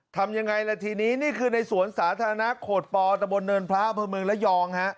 ทำยังไงล่ะทีนี้นี่คือในสวนสาธารณะโขดปอตะบนเนินพระอำเภอเมืองระยองฮะ